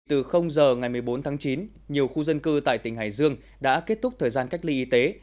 từ giờ ngày một mươi bốn tháng chín nhiều khu dân cư tại tỉnh hải dương đã kết thúc thời gian cách ly y tế